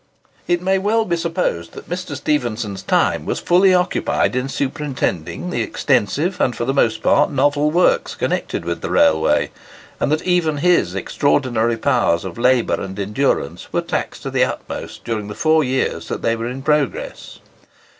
It may well be supposed that Mr. Stephenson's time was fully occupied in superintending the extensive, and for the most part novel works, connected with the railway, and that even his extraordinary powers of labour and endurance were taxed to the utmost during the four years that they were in progress.